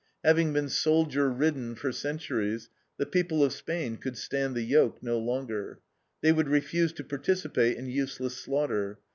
Having been soldier ridden for centuries, the people of Spain could stand the yoke no longer. They would refuse to participate in useless slaughter.